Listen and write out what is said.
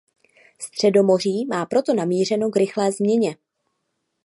Středomoří má proto namířeno k rychlé změně.